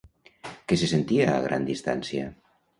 Què se sentia a gran distància?